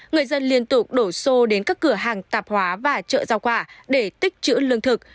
người dân liên tục đổ xô đến các cửa hàng tạp hóa và chợ rau quả để tích chữ lương thực